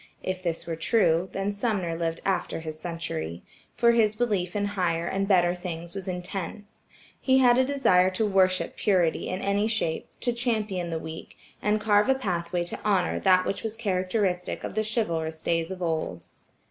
If this were true, then Sumner lived after his century, for his belief in higher and better things was intense. He had a desire to worship purity in any shape, to champion the weak, and carve a pathway to honor that was characteristic of the chivalrous days of old.